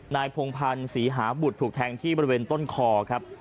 นายผงพันส์สีหาบุตรถูกแทงที่ประเภนต้นคอครับ